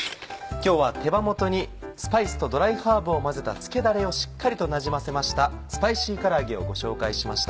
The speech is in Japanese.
今日は手羽元にスパイスとドライハーブを混ぜた漬けだれをしっかりとなじませました「スパイシーから揚げ」をご紹介しました。